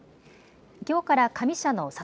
きょうから上社の里